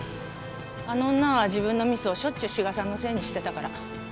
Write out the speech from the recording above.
あの女は自分のミスをしょっちゅう志賀さんのせいにしてたから。